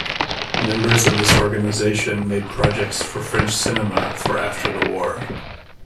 Members of this organization made projects for French cinema for after the War.